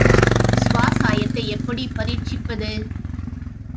ஸ்வாசாசயத்தை எப்படிப் பரீட்சிப்பது?